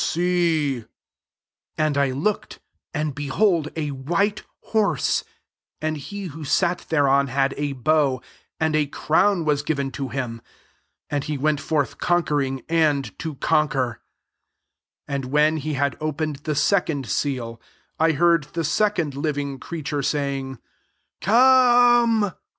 2 • Gr. bowl*. •34 398 REVELATION VL [^And I looked^ and, b6ho1d, a white horse : and he who sat thereon had a bow; and a crown was given to him : and he went forth conquering, and to con quen 3 And when he had opened ihc second seal, I heard the second living creature saying, « Come.'